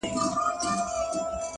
ما له کيسې ژور اغېز واخيست,